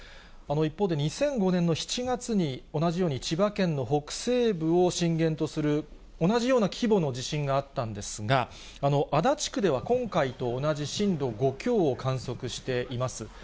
一方で２００５年の７月に、同じように千葉県の北西部を震源とする、同じような規模の地震があったんですが、足立区では今回と同じ震度５強を観測しています。